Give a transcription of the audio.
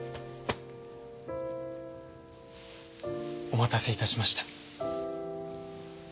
お待たせいたしました。